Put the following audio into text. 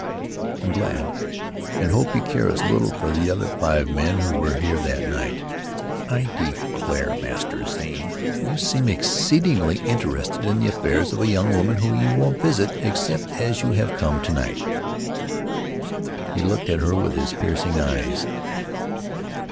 "I'm glad, an' hope you care as little for the other five men who were here that night." "I declare, Master Zane, you seem exceedingly interested in the affairs of a young woman whom you won't visit, except as you have come to night." He looked at her with his piercing eyes.